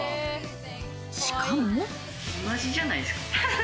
しかも。